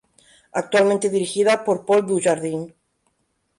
Actualmente dirigida por Paul Dujardin.